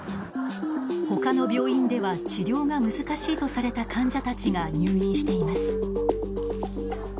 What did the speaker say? ほかの病院では治療が難しいとされた患者たちが入院しています。